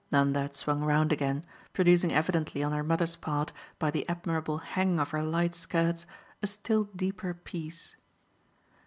Nanda had swung round again, producing evidently on her mother's part, by the admirable "hang" of her light skirts, a still deeper peace.